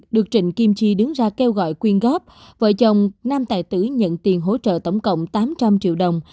được trịnh kim chi đứng ra kêu gọi quyên góp vợ chồng nam tài tử nhận tiền hỗ trợ tổng cộng tám trăm linh triệu đồng